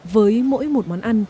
với mỗi một món ăn